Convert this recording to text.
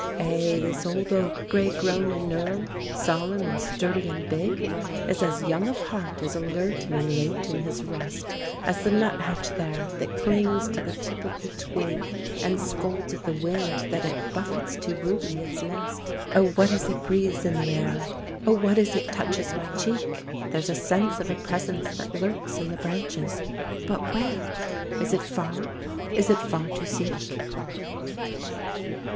Ay, this old oak, gray grown and knurled, Solemn and sturdy and big, Is as young of heart, as alert and elate in his rest, As the nuthatch there that clings to the tip of the twig And scolds at the wind that it buffets too rudely its nest. Oh, what is it breathes in the air? Oh, what is it touches my cheek? There's a sense of a presence that lurks in the branches. But where? Is it far, is it far to seek?